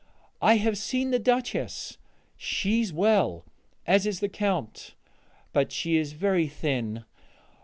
I have seen the Duchess; she is well, as is the Count, but she is very thin.